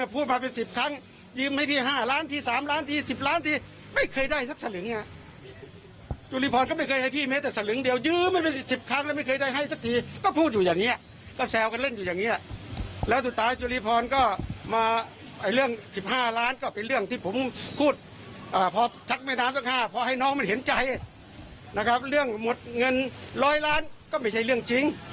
พอให้น้องมันเห็นใจนะครับเรื่องหมดเงินร้อยล้านก็ไม่ใช่เรื่องจริง